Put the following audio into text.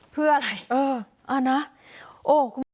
เพื่ออะไรเออเอานะโอ้คุณ